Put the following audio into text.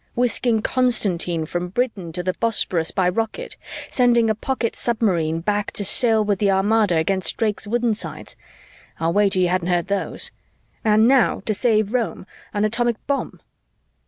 Whisking Constantine from Britain to the Bosporus by rocket, sending a pocket submarine back to sail with the Armada against Drake's woodensides I'll wager you hadn't heard those! And now, to save Rome, an atomic bomb.